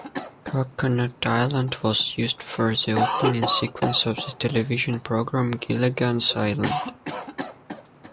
Coconut Island was used for the opening sequence of the television program "Gilligan's Island".